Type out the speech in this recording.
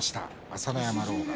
朝乃山、狼雅。